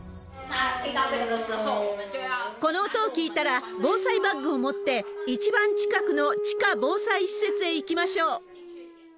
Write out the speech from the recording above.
この音を聞いたら、防災バッグを持って、一番近くの地下防災施設へ行きましょう。